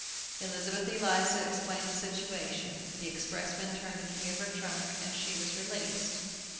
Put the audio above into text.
Elizabeth Eliza explained the situation. The expressman turned the key of her trunk, and she was released!